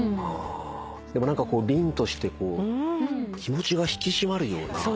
でも何かりんとして気持ちが引き締まるような。